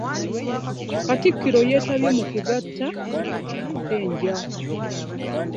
Katikkiro yeetabye mu kugatta Nathan Mpenja